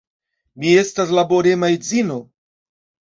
Mi estas laborema edzino.